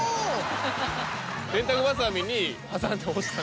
洗濯ばさみに挟んで干した。